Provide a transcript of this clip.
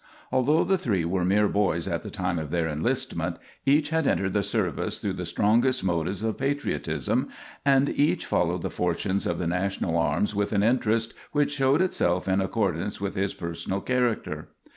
Although the three were mere boys at the time of their enlistment, each had entered the service through the strongest motives of patriotism, and each followed the fortunes of the national arms with an interest which showed itself in accordance with his personal character.